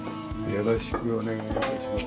よろしくお願いします。